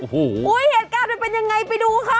โอ้โหเหตุการณ์มันเป็นยังไงไปดูค่ะ